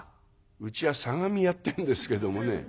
「うちは相模屋ってんですけどもね」。